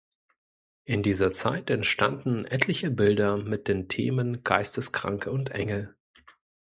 In dieser Zeit entstanden etliche Bilder mit den Themen Geisteskranke und Engel.